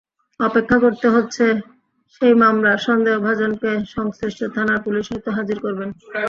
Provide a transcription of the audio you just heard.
অপেক্ষা করতে হচ্ছে সেই মামলার সন্দেহভাজনকে সংশ্লিষ্ট থানার পুলিশ হয়তো হাজির করবেন।